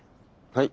はい？